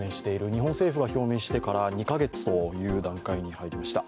日本政府が表明してから２カ月という段階に入りました。